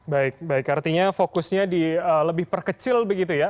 baik baik artinya fokusnya lebih perkecil begitu ya